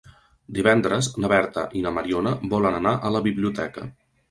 Divendres na Berta i na Mariona volen anar a la biblioteca.